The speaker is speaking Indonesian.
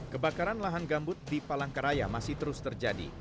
kebakaran lahan gambut di palangkaraya masih terus terjadi